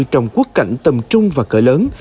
trong quốc cảnh tầm trung và cỡ lớn